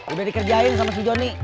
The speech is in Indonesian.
udah dikerjain sama si jonny